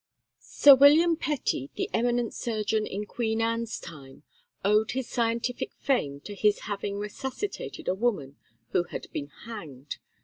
Sir William Petty, the eminent surgeon in Queen Anne's time, owed his scientific fame to his having resuscitated a woman who had been hanged.